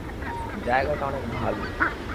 জায়গাটা অনেক ভালো।